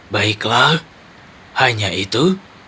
baiklah hanya itu